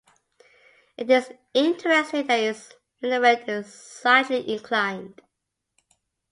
It is interesting that its minaret is slightly inclined.